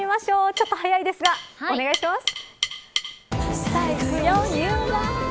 ちょっと早いですがお願いします。